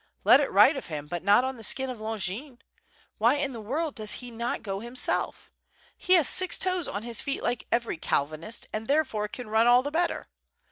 Let it write of him, but not on the skin of Longin. Why in the world does he not go him self? He has six toes on his feet like every Calvinist, and therefore can run all the better.